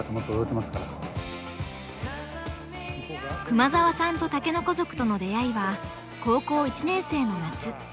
熊澤さんと竹の子族との出会いは高校１年生の夏。